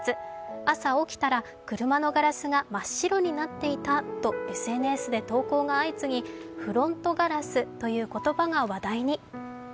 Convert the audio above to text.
朝起きたら車のガラスが真っ白になっていたとＳＮＳで投稿が相次ぎ、「フロントガラス」という言葉が話題に。